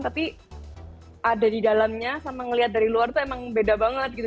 tapi ada di dalamnya sama ngelihat dari luar itu emang beda banget gitu